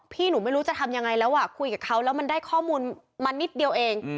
พี่หนูไม่รู้จะทำยังไงแล้วคุยกับเขาแล้วมันได้ข้อมูลมานิดเดียวเอง